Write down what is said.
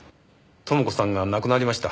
朋子さんが亡くなりました。